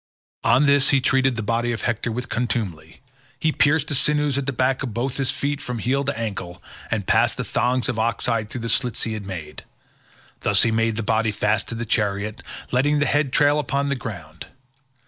On this he treated the body of Hector with contumely: he pierced the sinews at the back of both his feet from heel to ancle and passed thongs of ox hide through the slits he had made: thus he made the body fast to his chariot, letting the head trail upon the ground.